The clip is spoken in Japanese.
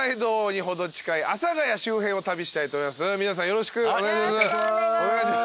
よろしくお願いします。